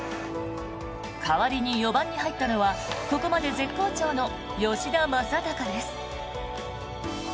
代わりに４番に入ったのはここまで絶好調の吉田正尚です。